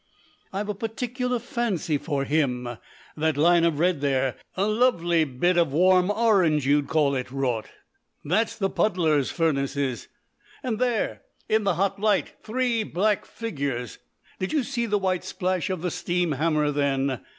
I've a particular fancy for him. That line of red there a lovely bit of warm orange you'd call it, Raut that's the puddlers' furnaces, and there, in the hot light, three black figures did you see the white splash of the steam hammer then?